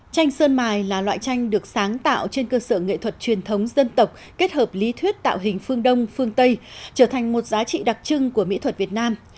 tranh sơn mài là loại tranh được sáng tạo trên cơ sở nghệ thuật truyền thống dân tộc kết hợp lý thuyết tạo hình phương đông phương tây trở thành một giá trị đặc trưng của mỹ thuật việt nam